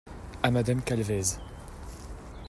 À Madame Calvez.